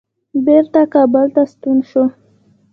بیرته کابل ته ستون شو.